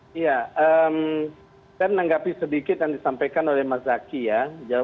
saya menanggapi sedikit yang disampaikan oleh mas zaky ya